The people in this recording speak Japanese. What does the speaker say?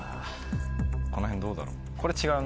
このへんどうだろう。